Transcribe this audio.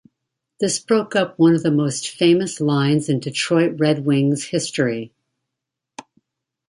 This broke up one of the most famous lines in Detroit Red Wings history.